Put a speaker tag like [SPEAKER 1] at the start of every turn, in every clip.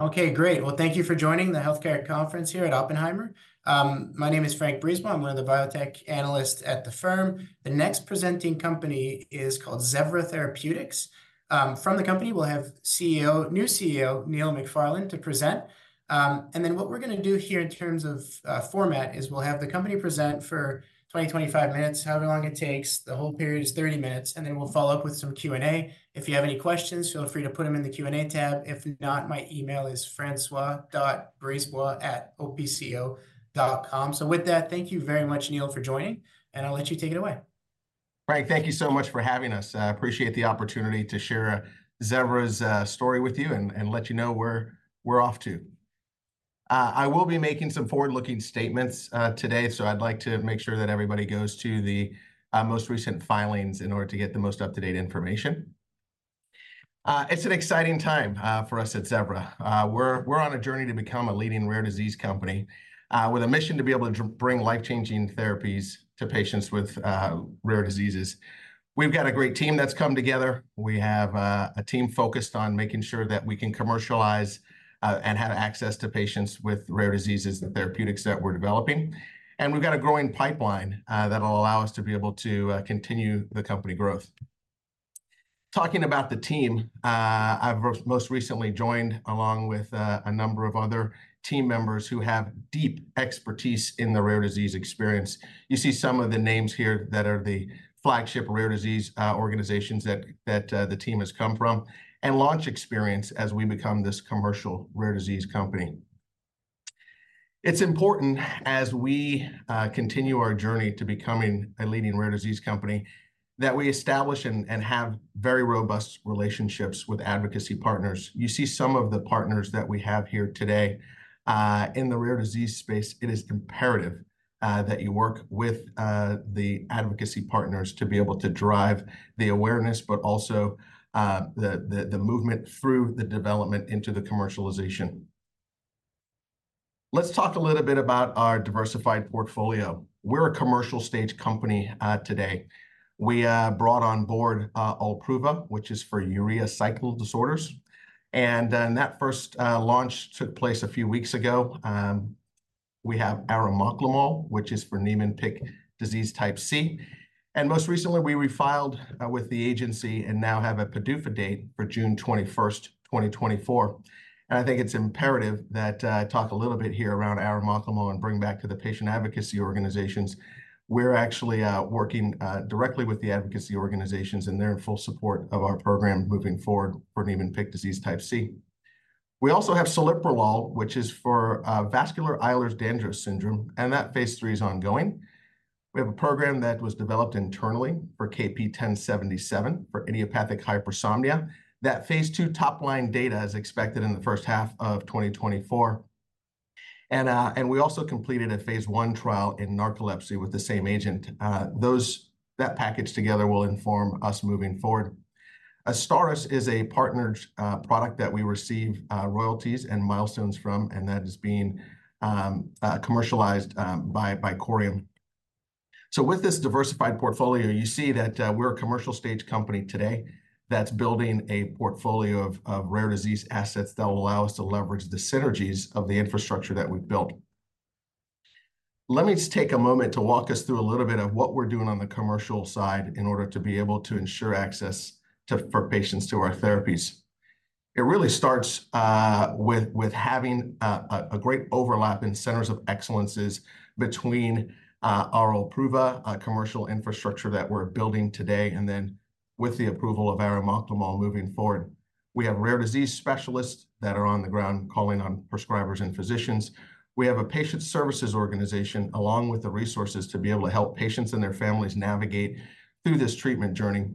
[SPEAKER 1] Okay, great. Well, thank you for joining the healthcare conference here at Oppenheimer. My name is Frank Brisebois. I'm one of the biotech analysts at the firm. The next presenting company is called Zevra Therapeutics. From the company, we'll have CEO, new CEO, Neil McFarlane, to present. Then what we're gonna do here in terms of format is we'll have the company present for 20 minutes-25 minutes, however long it takes. The whole period is 30 minutes, and then we'll follow up with some Q&A. If you have any questions, feel free to put them in the Q&A tab. If not, my email is francois.brisebois@opco.com. So with that, thank you very much, Neil, for joining, and I'll let you take it away.
[SPEAKER 2] Frank, thank you so much for having us. I appreciate the opportunity to share Zevra's story with you and let you know where we're off to. I will be making some forward-looking statements today, so I'd like to make sure that everybody goes to the most recent filings in order to get the most up-to-date information. It's an exciting time for us at Zevra. We're on a journey to become a leading rare disease company, with a mission to be able to bring life-changing therapies to patients with rare diseases. We've got a great team that's come together. We have a team focused on making sure that we can commercialize and have access to patients with rare diseases, the therapeutics that we're developing. And we've got a growing pipeline that'll allow us to be able to continue the company growth. Talking about the team, I've most recently joined along with a number of other team members who have deep expertise in the rare disease experience. You see some of the names here that are the flagship rare disease organizations that the team has come from and launch experience as we become this commercial rare disease company. It's important, as we continue our journey to becoming a leading rare disease company, that we establish and have very robust relationships with advocacy partners. You see some of the partners that we have here today, in the rare disease space. It is imperative that you work with the advocacy partners to be able to drive the awareness, but also the movement through the development into the commercialization. Let's talk a little bit about our diversified portfolio. We're a commercial stage company, today. We brought on board OLPRUVA, which is for urea cycle disorders. And in that first launch took place a few weeks ago. We have arimoclomol, which is for Niemann-Pick disease type C. And most recently, we refiled with the agency and now have a PDUFA date for June 21st, 2024. And I think it's imperative that I talk a little bit here around arimoclomol and bring back to the patient advocacy organizations. We're actually working directly with the advocacy organizations, and they're in full support of our program moving forward for Niemann-Pick disease type C. We also have celiprolol, which is for vascular Ehlers-Danlos syndrome, and that phase III is ongoing. We have a program that was developed internally for KP1077 for idiopathic hypersomnia. That phase II top line data is expected in the first half of 2024. And we also completed a phase I trial in narcolepsy with the same agent. Those that package together will inform us moving forward. AZSTARYS is a partnered product that we receive royalties and milestones from, and that is being commercialized by Corium. So with this diversified portfolio, you see that we're a commercial stage company today that's building a portfolio of rare disease assets that'll allow us to leverage the synergies of the infrastructure that we've built. Let me take a moment to walk us through a little bit of what we're doing on the commercial side in order to be able to ensure access to for patients to our therapies. It really starts with having a great overlap in centers of excellence between our OLPRUVA commercial infrastructure that we're building today, and then with the approval of arimoclomol moving forward. We have rare disease specialists that are on the ground calling on prescribers and physicians. We have a patient services organization along with the resources to be able to help patients and their families navigate through this treatment journey.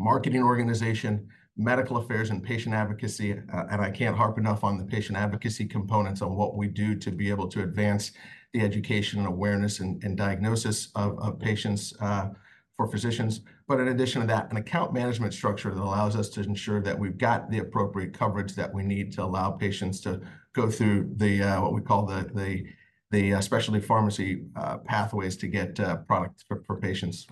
[SPEAKER 2] Marketing organization, medical affairs, and patient advocacy, and I can't harp enough on the patient advocacy components on what we do to be able to advance the education and awareness and diagnosis of patients, for physicians. But in addition to that, an account management structure that allows us to ensure that we've got the appropriate coverage that we need to allow patients to go through the, what we call the, specialty pharmacy, pathways to get, products for patients.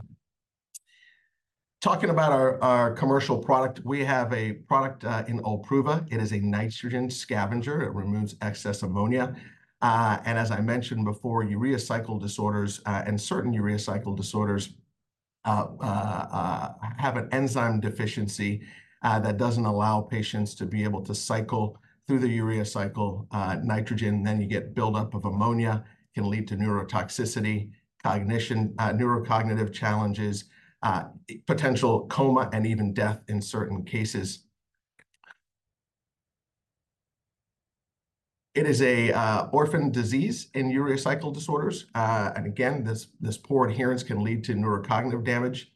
[SPEAKER 2] Talking about our commercial product, we have a product, OLPRUVA. It is a nitrogen scavenger. It removes excess ammonia. As I mentioned before, urea cycle disorders, and certain urea cycle disorders, have an enzyme deficiency that doesn't allow patients to be able to cycle through the urea cycle, nitrogen. Then you get buildup of ammonia, can lead to neurotoxicity, cognition, neurocognitive challenges, potential coma, and even death in certain cases. It is a orphan disease in urea cycle disorders. And again, this poor adherence can lead to neurocognitive damage.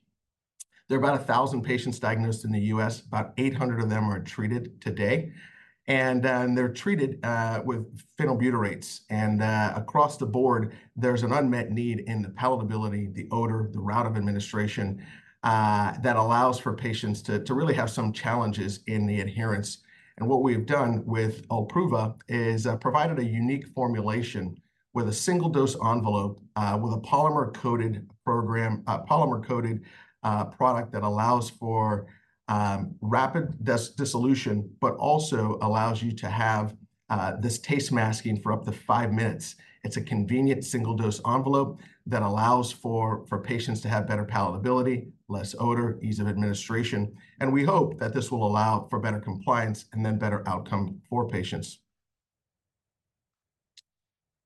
[SPEAKER 2] There are about 1,000 patients diagnosed in the U.S. About 800 of them are treated today. They're treated with phenylbutyrates. And across the board, there's an unmet need in the palatability, the odor, the route of administration, that allows for patients to really have some challenges in the adherence. What we have done with OLPRUVA is provided a unique formulation with a single dose envelope, with a polymer-coated product that allows for rapid dissolution, but also allows you to have this taste masking for up to five minutes. It's a convenient single dose envelope that allows for patients to have better palatability, less odor, ease of administration. And we hope that this will allow for better compliance and then better outcome for patients.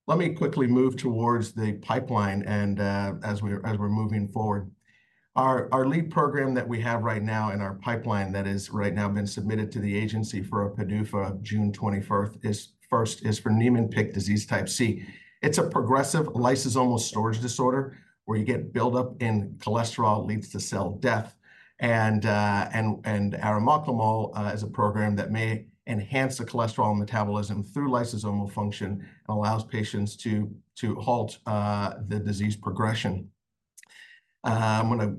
[SPEAKER 2] Let me quickly move towards the pipeline. As we're moving forward, our lead program that we have right now in our pipeline that has right now been submitted to the agency for a PDUFA June 21st is first for Niemann-Pick disease type C. It's a progressive lysosomal storage disorder where you get buildup in cholesterol leads to cell death. Arimoclomol is a program that may enhance the cholesterol metabolism through lysosomal function and allows patients to halt the disease progression. I'm gonna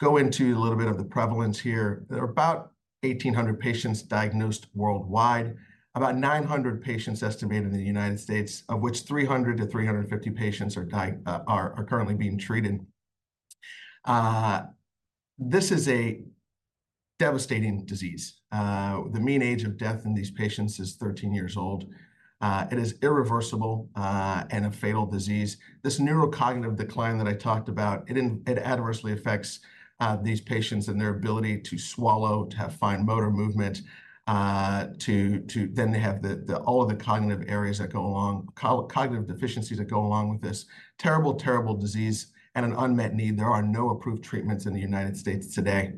[SPEAKER 2] go into a little bit of the prevalence here. There are about 1,800 patients diagnosed worldwide, about 900 patients estimated in the United States, of which 300-350 patients are currently being treated. This is a devastating disease. The mean age of death in these patients is 13 years old. It is irreversible, and a fatal disease. This neurocognitive decline that I talked about, it adversely affects these patients and their ability to swallow, to have fine motor movement, to then they have all of the cognitive areas that go along, cognitive deficiencies that go along with this terrible, terrible disease and an unmet need there are no approved treatments in the United States today.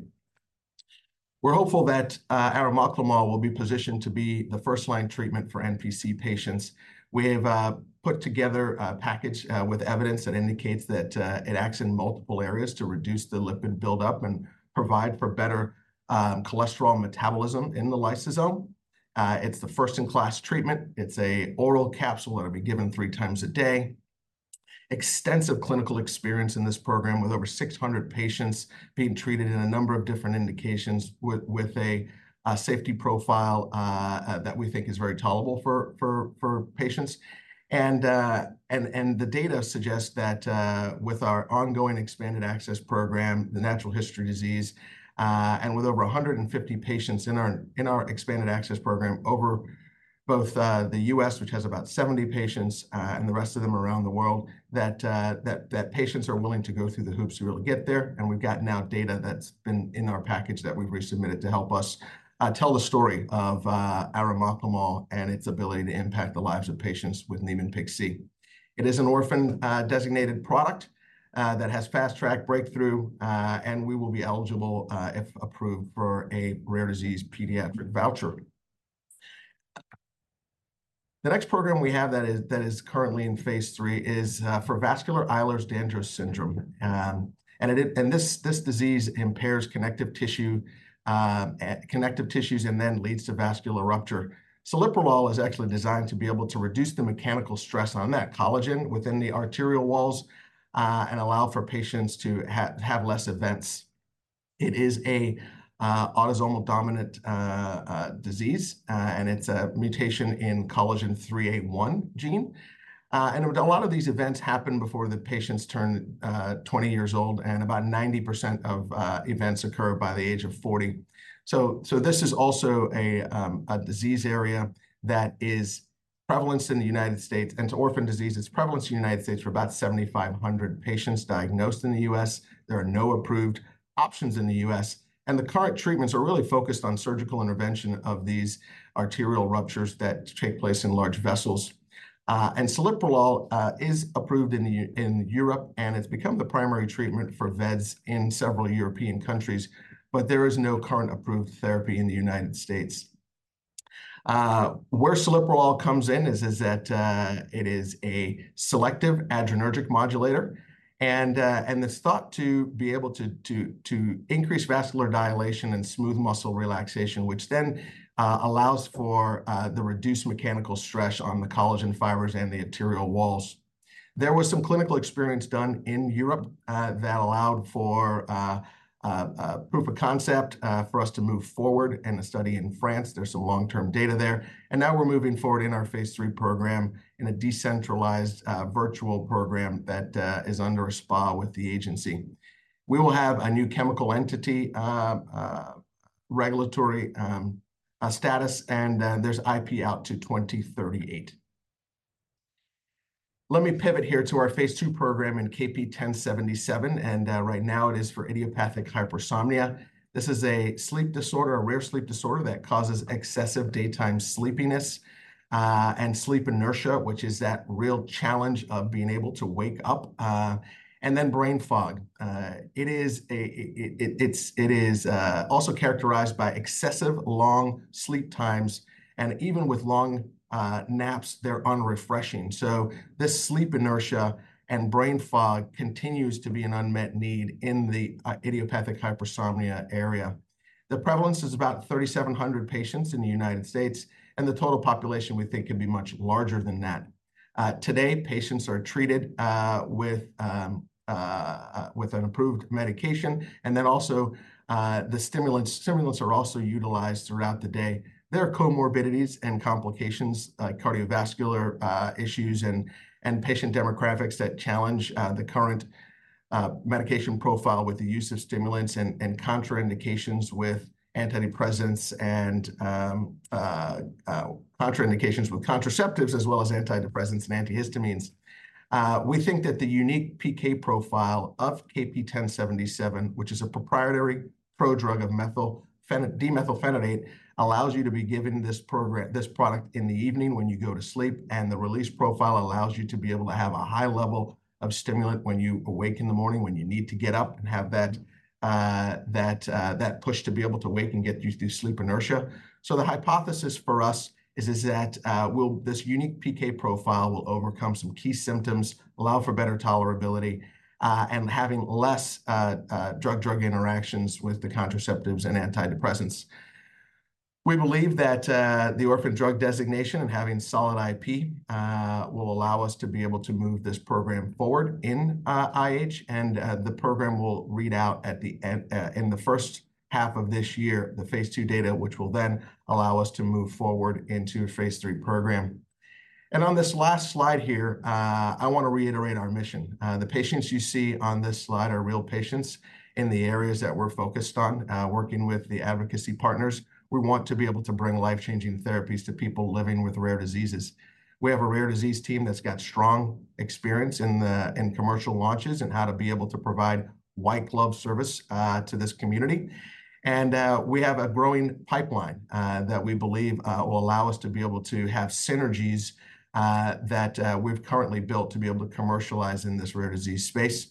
[SPEAKER 2] We're hopeful that arimoclomol will be positioned to be the first line treatment for NPC patients. We have put together a package with evidence that indicates that it acts in multiple areas to reduce the lipid buildup and provide for better cholesterol metabolism in the lysosome. It's the first in class treatment. It's an oral capsule that'll be given three times a day. Extensive clinical experience in this program with over 600 patients being treated in a number of different indications with a safety profile that we think is very tolerable for patients. The data suggests that, with our ongoing expanded access program, the natural history disease, and with over 150 patients in our expanded access program over both the U.S., which has about 70 patients, and the rest of them around the world, that patients are willing to go through the hoops to really get there. And we've now gotten data that's been in our package that we've resubmitted to help us tell the story of arimoclomol and its ability to impact the lives of patients with Niemann-Pick C. It is an orphan-designated product that has fast track breakthrough, and we will be eligible, if approved, for a rare disease pediatric voucher. The next program we have that is currently in phase III is for vascular Ehlers-Danlos syndrome. This disease impairs connective tissue and then leads to vascular rupture. Celiprolol is actually designed to be able to reduce the mechanical stress on that collagen within the arterial walls, and allow for patients to have less events. It is a autosomal dominant disease, and it's a mutation in COL3A1 gene. A lot of these events happen before the patients turn 20 years old, and about 90% of events occur by the age of 40. So this is also a disease area that is prevalent in the United States. And it's an orphan disease, it's prevalent in the United States for about 7,500 patients diagnosed in the U.S., there are no approved options in the U.S., and the current treatments are really focused on surgical intervention of these arterial ruptures that take place in large vessels. Celiprolol is approved in Europe, and it's become the primary treatment for vEDS in several European countries, but there is no current approved therapy in the United States. Where celiprolol comes in is that it is a selective adrenergic modulator, and it's thought to be able to increase vascular dilation and smooth muscle relaxation, which then allows for the reduced mechanical stress on the collagen fibers and the arterial walls. There was some clinical experience done in Europe that allowed for proof of concept for us to move forward in a study in France. There's some long-term data there. Now we're moving forward in our phase III program in a decentralized, virtual program that is under a SPA with the agency. We will have a new chemical entity regulatory status, and there's IP out to 2038. Let me pivot here to our phase two program in KP1077. Right now it is for idiopathic hypersomnia. This is a sleep disorder, a rare sleep disorder that causes excessive daytime sleepiness, and sleep inertia, which is that real challenge of being able to wake up, and then brain fog. It is also characterized by excessive long sleep times, and even with long naps, they're unrefreshing. So this sleep inertia and brain fog continues to be an unmet need in the idiopathic hypersomnia area. The prevalence is about 3,700 patients in the United States, and the total population we think could be much larger than that. Today, patients are treated with an approved medication, and then also the stimulants are also utilized throughout the day. There are comorbidities and complications, like cardiovascular issues and patient demographics that challenge the current medication profile with the use of stimulants and contraindications with antidepressants and contraindications with contraceptives as well as antidepressants and antihistamines. We think that the unique PK profile of KP1077, which is a proprietary prodrug of methylphenidate, allows you to be given this product in the evening when you go to sleep, and the release profile allows you to be able to have a high level of stimulant when you awake in the morning, when you need to get up and have that push to be able to wake and get you through sleep inertia. So the hypothesis for us is that this unique PK profile will overcome some key symptoms, allow for better tolerability, and having less drug-drug interactions with the contraceptives and antidepressants. We believe that the orphan drug designation and having solid IP will allow us to be able to move this program forward in IH, and the program will read out at the end, in the first half of this year, the phase II data, which will then allow us to move forward into a phase III program. On this last slide here, I wanna reiterate our mission. The patients you see on this slide are real patients in the areas that we're focused on, working with the advocacy partners. We want to be able to bring life-changing therapies to people living with rare diseases. We have a rare disease team that's got strong experience in the commercial launches and how to be able to provide white glove service to this community. We have a growing pipeline that we believe will allow us to be able to have synergies that we've currently built to be able to commercialize in this rare disease space.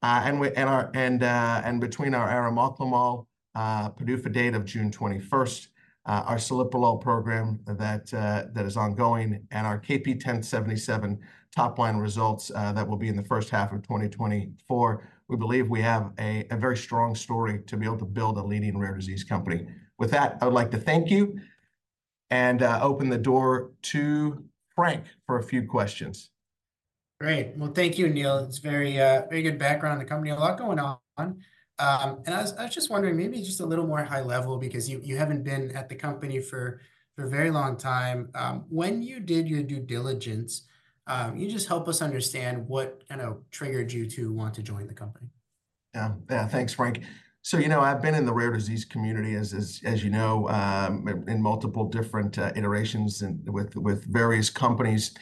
[SPEAKER 2] Between our arimoclomol PDUFA date of June 21st, our celiprolol program that is ongoing, and our KP1077 top-line results that will be in the first half of 2024, we believe we have a very strong story to be able to build a leading rare disease company. With that, I would like to thank you and open the door to François for a few questions.
[SPEAKER 1] Great. Well, thank you, Neil. It's very, very good background on the company. A lot going on. I was just wondering, maybe just a little more high-level because you haven't been at the company for a very long time, when you did your due diligence, can you just help us understand what kind of triggered you to want to join the company?
[SPEAKER 2] Yeah. Yeah. Thanks, Frank. So, you know, I've been in the rare disease community, as you know, in multiple different iterations and with various companies.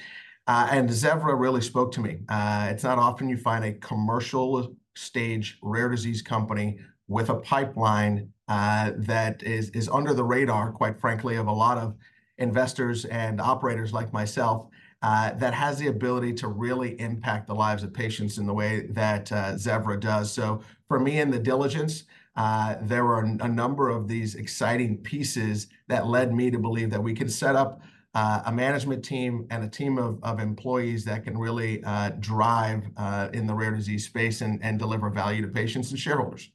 [SPEAKER 2] Zevra really spoke to me. It's not often you find a commercial stage rare disease company with a pipeline that is under the radar, quite frankly, of a lot of investors and operators like myself, that has the ability to really impact the lives of patients in the way that Zevra does. So for me in the diligence, there were a number of these exciting pieces that led me to believe that we can set up a management team and a team of employees that can really drive in the rare disease space and deliver value to patients and shareholders.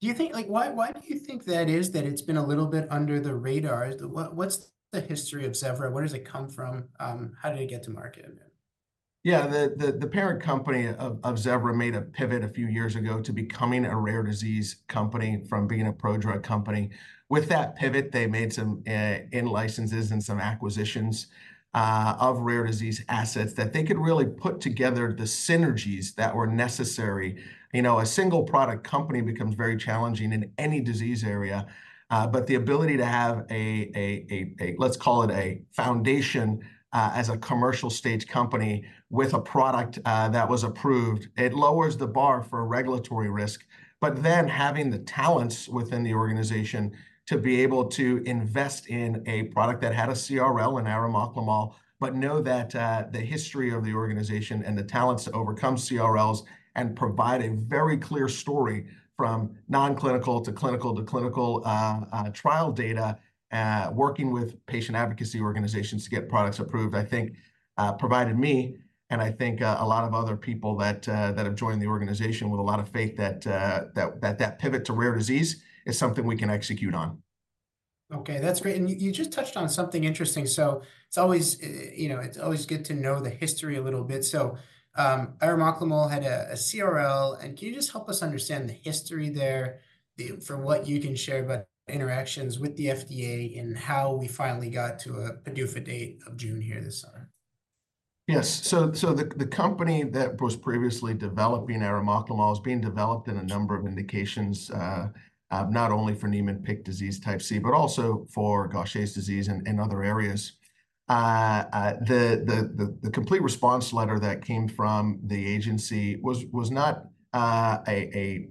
[SPEAKER 1] Do you think, like, why, why do you think that is, that it's been a little bit under the radar? What, what's the history of Zevra? Where does it come from? How did it get to market again?
[SPEAKER 2] Yeah. The parent company of Zevra made a pivot a few years ago to becoming a rare disease company from being a prodrug company. With that pivot, they made some in-licenses and some acquisitions of rare disease assets that they could really put together the synergies that were necessary. You know, a single product company becomes very challenging in any disease area, but the ability to have a let's call it a foundation, as a commercial stage company with a product that was approved, it lowers the bar for regulatory risk. But then having the talents within the organization to be able to invest in a product that had a CRL in arimoclomol, but know that the history of the organization and the talents to overcome CRLs and provide a very clear story from non-clinical to clinical to clinical trial data, working with patient advocacy organizations to get products approved, I think, provided me and I think a lot of other people that have joined the organization with a lot of faith that that pivot to rare disease is something we can execute on.
[SPEAKER 1] Okay. That's great. And you just touched on something interesting. So it's always, you know, it's always good to know the history a little bit. So, arimoclomol had a CRL. And can you just help us understand the history there, for what you can share about interactions with the FDA and how we finally got to a PDUFA date of June here this summer?
[SPEAKER 2] Yes. So the company that was previously developing arimoclomol is being developed in a number of indications, not only for Niemann-Pick disease type C, but also for Gaucher disease and other areas. The complete response letter that came from the agency was not a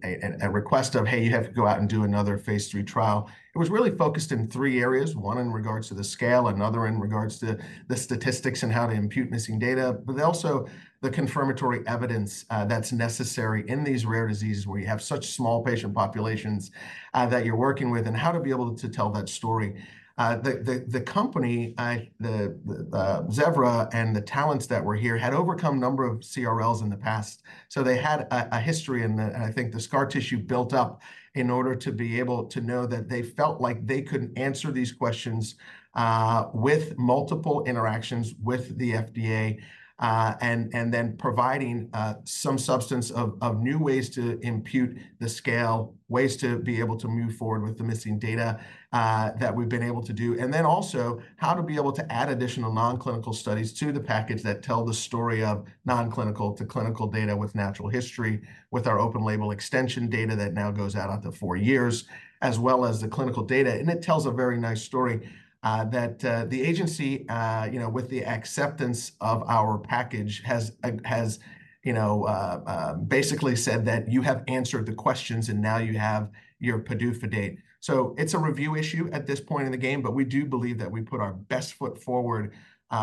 [SPEAKER 2] request of, "Hey, you have to go out and do another phase III trial." It was really focused in three areas, one in regards to the scale, another in regards to the statistics and how to impute missing data, but also the confirmatory evidence that's necessary in these rare diseases where you have such small patient populations that you're working with and how to be able to tell that story. The company, Zevra and the talents that were here, had overcome a number of CRLs in the past. So they had a history in the end, and I think the scar tissue built up in order to be able to know that they felt like they couldn't answer these questions, with multiple interactions with the FDA, and then providing some substance of new ways to impute the scale, ways to be able to move forward with the missing data, that we've been able to do. And then also how to be able to add additional non-clinical studies to the package that tell the story of non-clinical to clinical data with natural history, with our open label extension data that now goes out after four years, as well as the clinical data. And it tells a very nice story that the agency, you know, with the acceptance of our package has, you know, basically said that you have answered the questions and now you have your PDUFA date. So it's a review issue at this point in the game, but we do believe that we put our best foot forward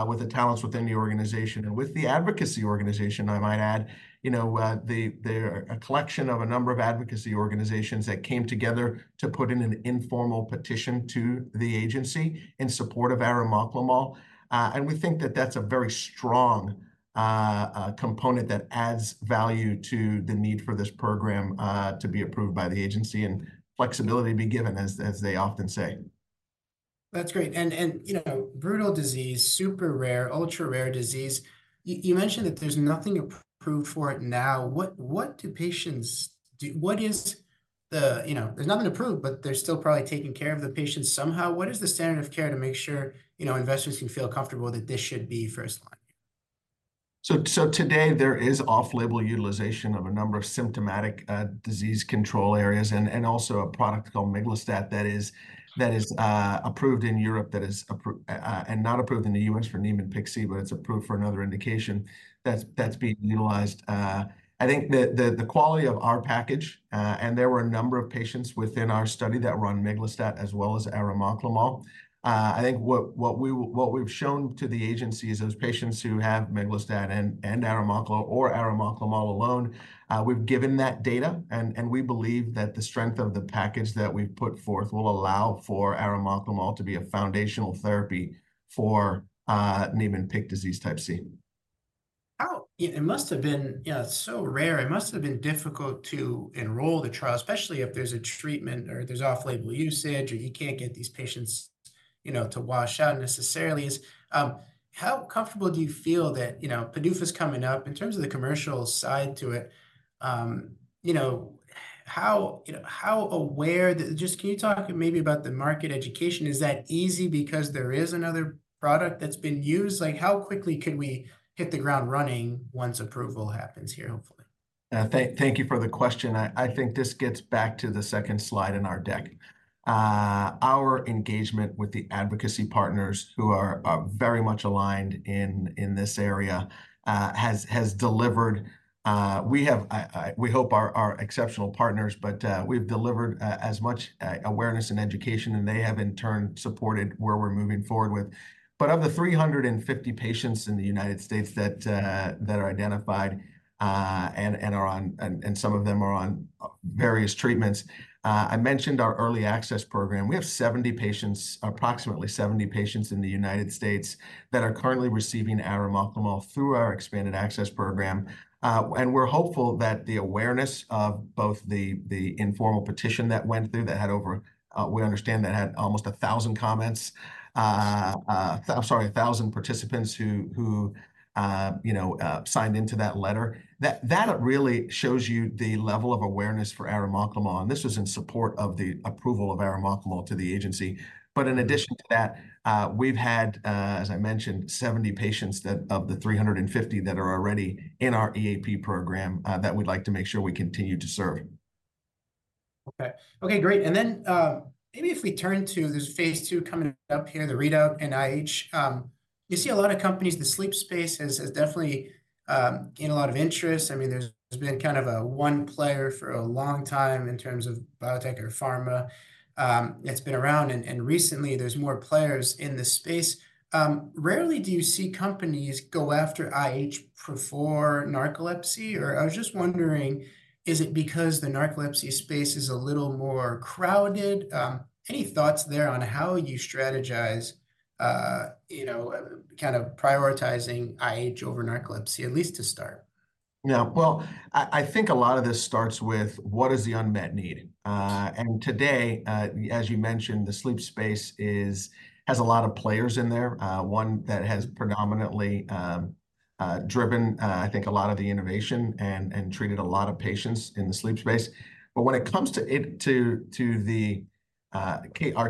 [SPEAKER 2] with the talents within the organization. And with the advocacy organization, I might add, you know, there are a collection of a number of advocacy organizations that came together to put in an informal petition to the agency in support of arimoclomol. And we think that that's a very strong component that adds value to the need for this program to be approved by the agency and flexibility be given, as they often say.
[SPEAKER 1] That's great. And, you know, brutal disease, super rare, ultra rare disease. You mentioned that there's nothing approved for it now. What do patients do? What is the, you know, there's nothing approved, but they're still probably taking care of the patients somehow. What is the standard of care to make sure, you know, investors can feel comfortable that this should be first line?
[SPEAKER 2] So today there is off-label utilization of a number of symptomatic, disease control areas and also a product called miglustat that is approved in Europe and not approved in the U.S. for Niemann-Pick disease type C, but it's approved for another indication that's being utilized. I think the quality of our package, and there were a number of patients within our study that were on miglustat as well as arimoclomol. I think what we've shown to the agency is those patients who have miglustat and arimoclomol or arimoclomol alone; we've given that data. We believe that the strength of the package that we've put forth will allow for arimoclomol to be a foundational therapy for Niemann-Pick disease type C.
[SPEAKER 1] Oh, yeah. It must have been, yeah, so rare. It must have been difficult to enroll the trial, especially if there's a treatment or there's off-label usage or you can't get these patients, you know, to wash out necessarily. How comfortable do you feel that, you know, PDUFA is coming up in terms of the commercial side to it? You know, how, you know, how aware that just can you talk maybe about the market education? Is that easy because there is another product that's been used? Like, how quickly could we hit the ground running once approval happens here, hopefully?
[SPEAKER 2] Yeah. Thank you for the question. I think this gets back to the second slide in our deck. Our engagement with the advocacy partners who are very much aligned in this area has delivered. We have. I hope our exceptional partners, but we've delivered as much awareness and education, and they have in turn supported where we're moving forward with. But of the 350 patients in the United States that are identified and are on, and some of them are on various treatments. I mentioned our early access program. We have approximately 70 patients in the United States that are currently receiving arimoclomol through our expanded access program. And we're hopeful that the awareness of both the informal petition that went through that had over, we understand that had almost 1,000 comments, I'm sorry, 1,000 participants who, you know, signed into that letter. That really shows you the level of awareness for arimoclomol. And this was in support of the approval of arimoclomol to the agency. But in addition to that, we've had, as I mentioned, 70 patients that of the 350 that are already in our EAP program, that we'd like to make sure we continue to serve.
[SPEAKER 1] Okay. Okay. Great. And then, maybe if we turn to there's a phase II coming up here, the readout in IH. You see a lot of companies. The sleep space has has definitely gained a lot of interest. I mean, there's been kind of a one player for a long time in terms of biotech or pharma. It's been around and and recently there's more players in the space. Rarely do you see companies go after IH before narcolepsy? Or I was just wondering, is it because the narcolepsy space is a little more crowded? Any thoughts there on how you strategize, you know, kind of prioritizing IH over narcolepsy, at least to start?
[SPEAKER 2] Yeah. Well, I think a lot of this starts with what is the unmet need? And today, as you mentioned, the sleep space has a lot of players in there. One that has predominantly driven, I think, a lot of the innovation and treated a lot of patients in the sleep space. But when it comes to our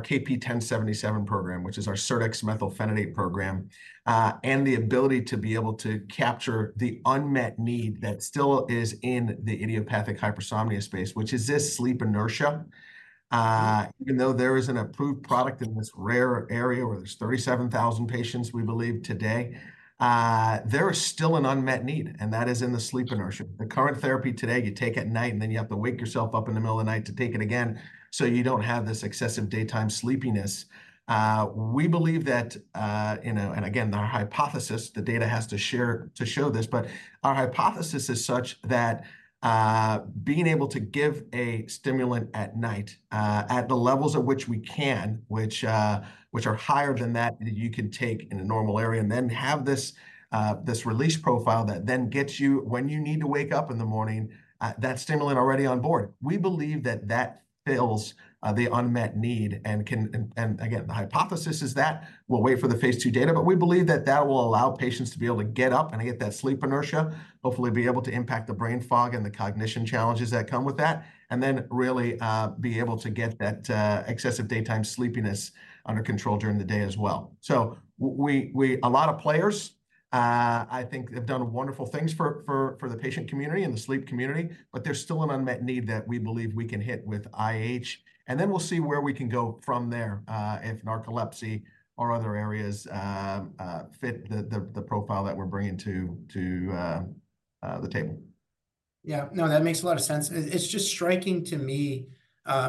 [SPEAKER 2] KP1077 program, which is our serdexmethylphenidate program, and the ability to be able to capture the unmet need that still is in the idiopathic hypersomnia space, which is this sleep inertia. Even though there is an approved product in this rare area where there's 37,000 patients, we believe today, there is still an unmet need, and that is in the sleep inertia. The current therapy today, you take at night and then you have to wake yourself up in the middle of the night to take it again so you don't have this excessive daytime sleepiness. We believe that, you know, and again, our hypothesis, the data has to share to show this, but our hypothesis is such that, being able to give a stimulant at night, at the levels at which we can, which are higher than that you can take in a normal day and then have this release profile that then gets you when you need to wake up in the morning, that stimulant already on board. We believe that fills the unmet need and can, and again, the hypothesis is that we'll wait for the phase II data, but we believe that will allow patients to be able to get up and get that sleep inertia, hopefully be able to impact the brain fog and the cognition challenges that come with that, and then really be able to get that excessive daytime sleepiness under control during the day as well. So we a lot of players, I think, have done wonderful things for the patient community and the sleep community, but there's still an unmet need that we believe we can hit with IH. And then we'll see where we can go from there, if narcolepsy or other areas fit the profile that we're bringing to the table.
[SPEAKER 1] Yeah. No, that makes a lot of sense. It's just striking to me,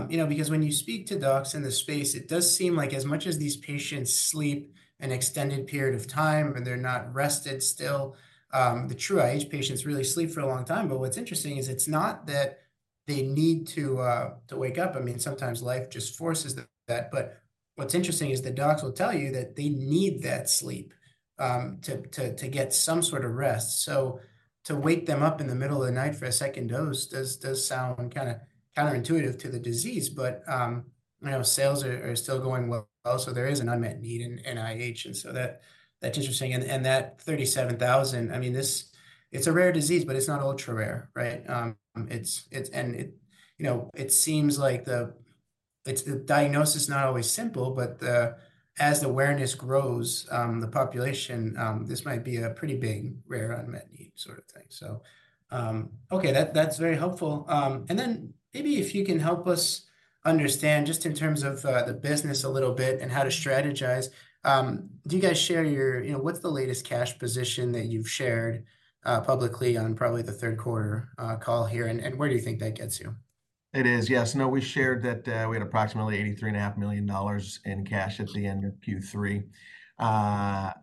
[SPEAKER 1] you know, because when you speak to docs in the space, it does seem like as much as these patients sleep an extended period of time and they're not rested still, the true IH patients really sleep for a long time. But what's interesting is it's not that they need to wake up. I mean, sometimes life just forces that. But what's interesting is the docs will tell you that they need that sleep to get some sort of rest. So to wake them up in the middle of the night for a second dose does sound kind of counterintuitive to the disease. But, you know, sales are still going well. So there is an unmet need in IH. And so that's interesting. And that 37,000, I mean, this, it's a rare disease, but it's not ultra rare, right? It's, and it, you know. It seems like the diagnosis is not always simple, but as the awareness grows, the population, this might be a pretty big rare unmet need sort of thing. So, okay, that's very helpful. And then maybe if you can help us understand just in terms of the business a little bit and how to strategize, do you guys share your, you know, what's the latest cash position that you've shared publicly on probably the third quarter call here? And where do you think that gets you?
[SPEAKER 2] It is. Yes. No, we shared that we had approximately $83.5 million in cash at the end of Q3,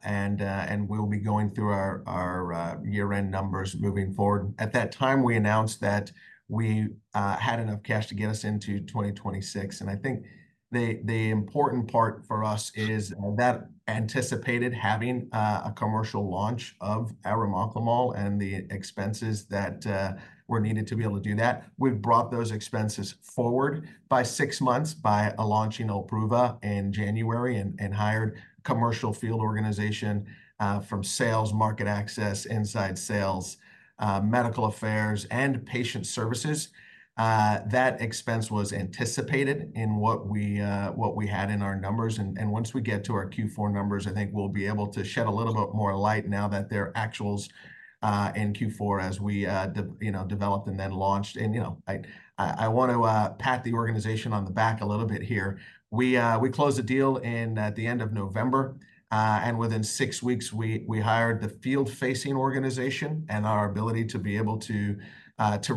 [SPEAKER 2] and we'll be going through our year-end numbers moving forward. At that time, we announced that we had enough cash to get us into 2026. I think the important part for us is that anticipated having a commercial launch of arimoclomol and the expenses that were needed to be able to do that. We've brought those expenses forward by six months by launching OLPRUVA in January and hired commercial field organization from sales, market access, inside sales, medical affairs, and patient services. That expense was anticipated in what we had in our numbers. And once we get to our Q4 numbers, I think we'll be able to shed a little bit more light now that they're actuals, in Q4 as we, you know, developed and then launched. And you know, I want to pat the organization on the back a little bit here. We closed a deal at the end of November, and within six weeks, we hired the field-facing organization and our ability to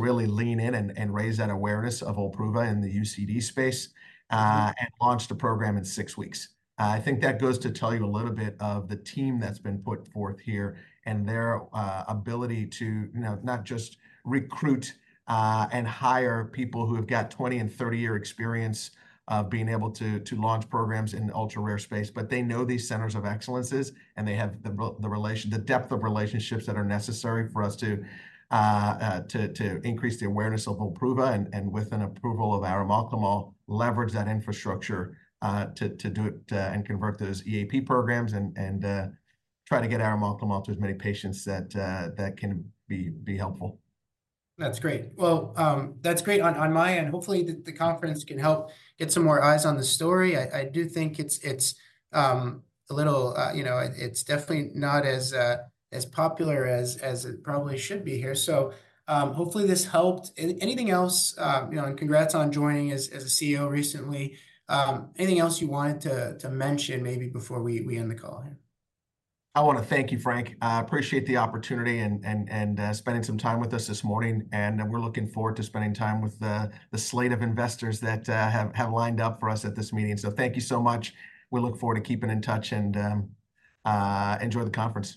[SPEAKER 2] really lean in and raise that awareness of OLPRUVA in the UCD space, and launched a program in six weeks. I think that goes to tell you a little bit of the team that's been put forth here and their ability to, you know, not just recruit and hire people who have got 20 and 30-year experience of being able to launch programs in ultra rare space, but they know these centers of excellence and they have the depth of relationships that are necessary for us to increase the awareness of OLPRUVA and, with an approval of arimoclomol, leverage that infrastructure to do it, and convert those EAP programs and try to get arimoclomol to as many patients that can be helpful.
[SPEAKER 1] That's great. Well, that's great on my end. Hopefully the conference can help get some more eyes on the story. I do think it's a little, you know, it's definitely not as popular as it probably should be here. So, hopefully this helped. Anything else, you know, and congrats on joining as a CEO recently. Anything else you wanted to mention maybe before we end the call here?
[SPEAKER 2] I want to thank you, Frank. I appreciate the opportunity and spending some time with us this morning. We're looking forward to spending time with the slate of investors that have lined up for us at this meeting. So thank you so much. We look forward to keeping in touch and enjoy the conference.